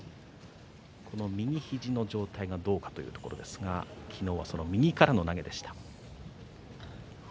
この右肘の状態がどうかというところですが昨日はその右からの投げでした。